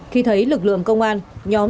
khi thấy lực lượng công an nhóm